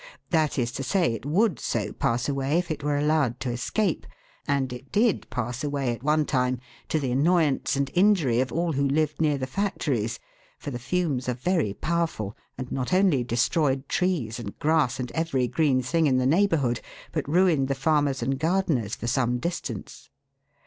That is to say, it would so pass away if it were allowed to escape, and it did pass away at one time, to the annoyance and injury of all who lived near the factories, for the fumes are very powerful, and not only destroyed trees and grass and every green thing in the neighbourhood, but ruined the farmers and gardeners for some distance.